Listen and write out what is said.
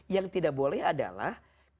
yang tidak boleh adalah